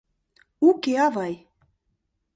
— Уке, авай!